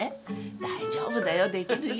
大丈夫だよできるよ。